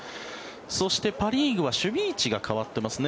そしてパ・リーグは守備位置が変わってますね。